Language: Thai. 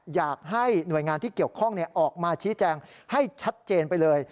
อยากให้หน่วยงานที่เกี่ยวข้องออกมาชี้แจงให้ชัดเจนไปเลย